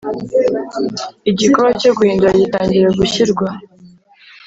Igikorwa cyo guhindura gitangira gushyirwa